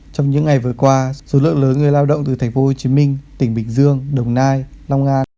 trong những ngày vừa qua số lượng lớn người lao động từ tp hcm tỉnh bình dương đồng nai long an